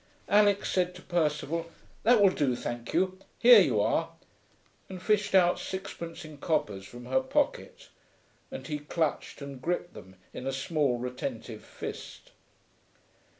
Alix said to Percival, 'That will do, thank you. Here you are,' and fished out sixpence in coppers from her pocket, and he clutched and gripped them in a small retentive fist.